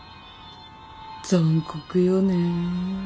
残酷よねぇ。